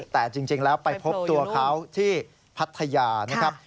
แต่จริงแล้วไปพบตัวเขาที่พัทยานะครับ